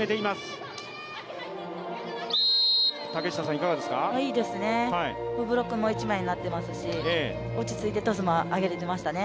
いいですね、ブロックも一枚になっていますし、落ち着いてトスも上げられてましたね。